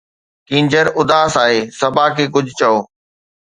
ڪينجهر اداس آهي، صبا کي ڪجهه چئو